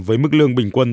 với mức lương bình quân